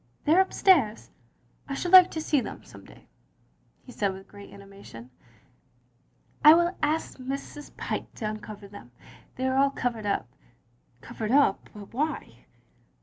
"They are upstairs." " I should like to see them some day, " he said with great animation. " I will ask Mrs. Pyke to uncover them. They are all covered up. " "Covered up, but why?"